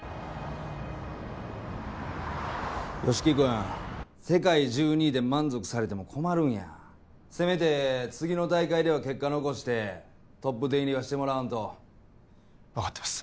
吉木君世界１２位で満足されても困るんやせめて次の大会では結果残してトップテン入りはしてもらわんと分かってます